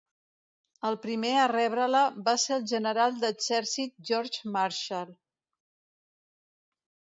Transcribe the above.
El primer a rebre-la va ser el General d'Exèrcit George Marshall.